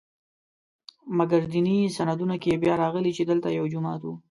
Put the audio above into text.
مګر دیني سندونو کې بیا راغلي چې دلته یو جومات و.